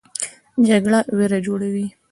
جګړه ویر جوړوي